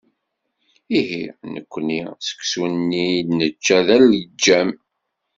Ihi! Nekkni, seksu-nni i d-nečča d aleǧǧam.